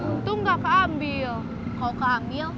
untung gak keambil